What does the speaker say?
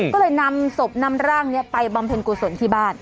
ก็เลยนำศพนำร่างนี้ไปบำเพ็ญกุศลที่บ้าน